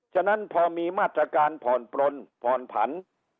ฉะนั้นพอมีมาตรการผ่อนปลนผ่อนผัน